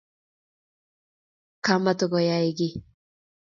Kamatakoyae kiy